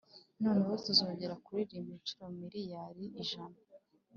noneho tuzongera kuririmba inshuro miliyari ijana!